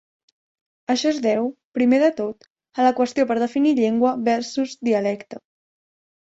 Això es deu, primer de tot, a la qüestió per definir "llengua" versus "dialecte".